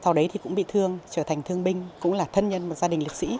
sau đấy thì cũng bị thương trở thành thương binh cũng là thân nhân một gia đình liệt sĩ